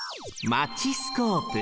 マチスコープ。